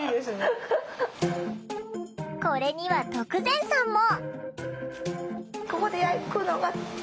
これには徳善さんも。